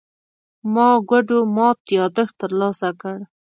ما ګوډو مات يادښت ترلاسه کړ.